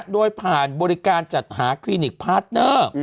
โดยผ่านบริการจัดหาคลินิกพาร์ทเนอร์